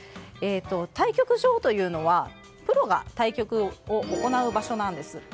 対局場というのはプロが対局を行う場所なんです。